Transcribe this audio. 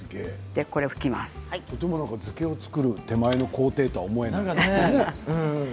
とても漬けを作る手前の工程とは思えない。